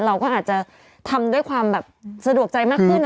เราก็อาจจะทำด้วยความแบบสะดวกใจมากขึ้น